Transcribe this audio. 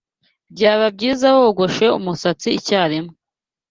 Byaba byiza wogoshe umusatsi icyarimwe.